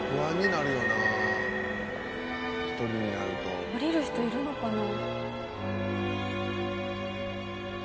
降りる人いるのかな？